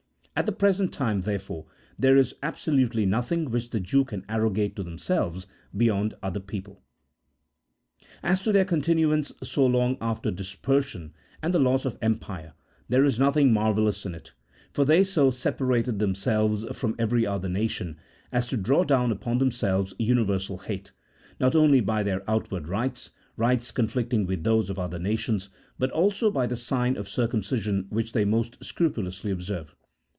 At the present time, therefore, there is absolutely nothing which the Jews can arrogate to themselves beyond other people. As to their continuance so long after dispersion and the loss of empire, there is nothing marvellous in it, for they so separated themselves from every other nation as to draw down upon themselves universal hate, not only by their outward rites, rites conflicting with those of other nations, but also by the sign of circumcision which they most scrupu lously observe.